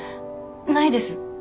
ないです。